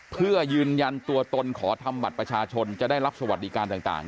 เพื่อยืนยันตัวตนขอทำบัตรประชาชนจะได้รับสวัสดิการต่าง